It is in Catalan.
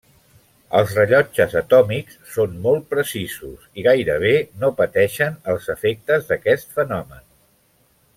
Els rellotges atòmics són molt precisos i gairebé no pateixen els efectes d'aquest fenomen.